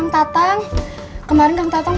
hint gue di ruang nihilnya lah